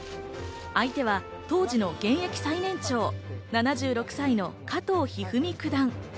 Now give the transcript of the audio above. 相手は当時の現役最年長、７６歳の加藤一二三九段。